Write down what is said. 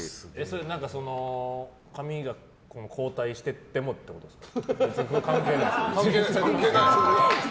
髪が後退していってもってことですか？